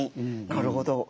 なるほど。